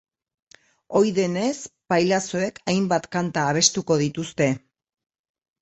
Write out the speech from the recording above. Ohi denez, pailazoek hainbat kanta abestuko dituzte.